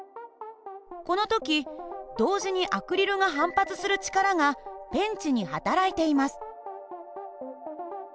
この時同時にアクリルが反発する力がペンチにはたらいています。